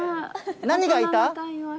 何がいた？